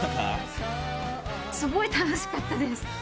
すごい楽しかったです。